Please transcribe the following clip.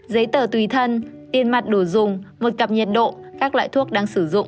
giấy tờ tùy thân tiên mặt đủ dùng một cặp nhiệt độ các loại thuốc đang sử dụng